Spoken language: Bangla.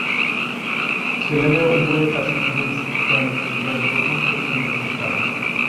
ছেলেমেয়ে উভয়ের কাছে জিন্স প্যান্ট যেন প্রথম পছন্দের পোশাক।